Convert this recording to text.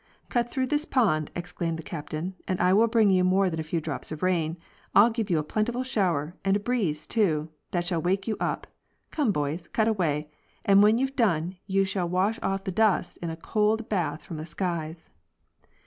''Cut through this pond," exclaimed the captain, ''and I will bring you more than a few drops of rain; I'll give you a plentiful shower and a breeze, too, that shall wake you up. Come, boys, cut away, and when you've done you shall wash off the dust in a cold bath from the skies!